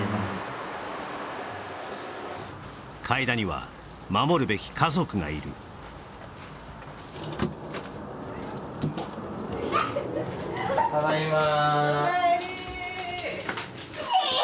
海田には守るべき家族がいるただいまお帰り